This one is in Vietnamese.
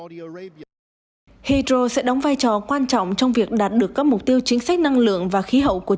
hydro sẽ đóng vai trò quan trọng trong việc đạt được các mục tiêu chính sách năng lượng và khí hậu của châu âu